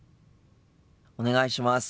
お願いします。